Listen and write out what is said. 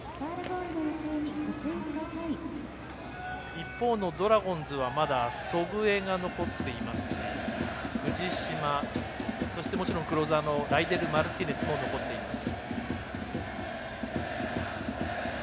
一方のドラゴンズはまだ、祖父江が残っていますし藤嶋、そしてもちろんクローザーのライデル・マルティネスも残っています。